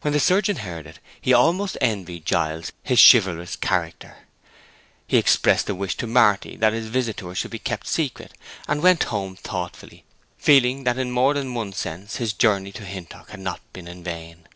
When the surgeon heard it he almost envied Giles his chivalrous character. He expressed a wish to Marty that his visit to her should be kept secret, and went home thoughtful, feeling that in more that one sense his journey to Hintock had not been in vain.